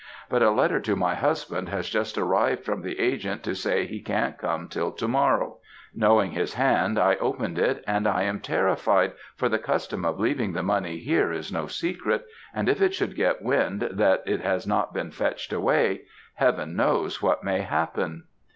But a letter to my husband has just arrived from the agent to say, he can't come till to morrow. Knowing his hand, I opened it; and I am terrified, for the custom of leaving the money here is no secret; and if it should get wind that it has not been fetched away, heaven knows what may happen.